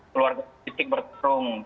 keluarga politik bertarung